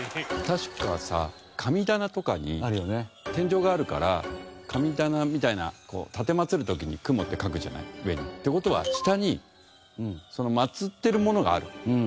確かさ神棚とかに天井があるから神棚みたいな奉る時に雲って書くじゃない上に。って事は下に祀ってるものがある。